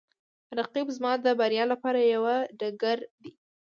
رقیب زما د بریا لپاره یوه ډګر دی